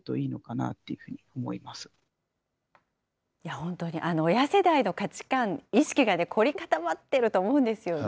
本当に、親世代の価値観、意識が凝り固まっていると思うんですよね。